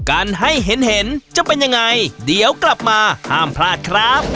กันให้เห็นเห็นจะเป็นยังไงเดี๋ยวกลับมาห้ามพลาดครับ